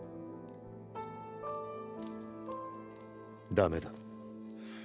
ダメだ。